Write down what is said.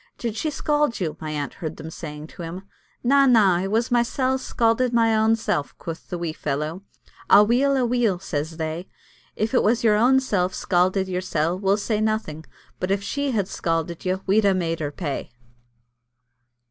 "Did she scald you?" my aunt heard them saying to him. "Na, na, it was mysel' scalded my ainsel'," quoth the wee fellow. "A weel, a weel," says they. "If it was your ainsel scalded yoursel', we'll say nothing, but if she had scalded you, we'd ha' made her pay."